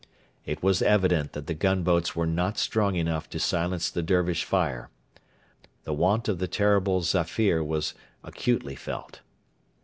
It was evident that the gunboats were not strong enough to silence the Dervish fire. The want of the terrible Zafir was acutely felt.